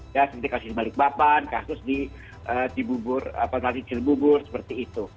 ya seperti kasus di balikpapan kasus di bubur nanti di bubur seperti itu